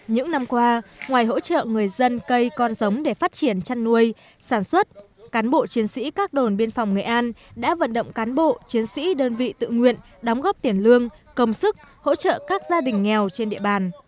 những năm qua ngoài hỗ trợ người dân cây con giống để phát triển chăn nuôi sản xuất cán bộ chiến sĩ các đồn biên phòng nghệ an đã vận động cán bộ chiến sĩ đơn vị tự nguyện đóng góp tiền lương công sức hỗ trợ các gia đình nghèo trên địa bàn